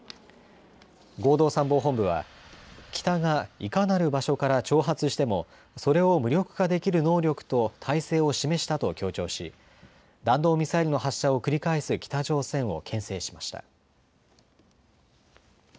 合同参謀本部は北がいかなる場所から挑発してもそれを無力化できる能力と態勢を示したと強調し、弾道ミサイルの発射を繰り返す北朝鮮をけん制しました。